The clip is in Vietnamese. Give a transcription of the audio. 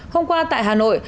hôm qua tại hà nội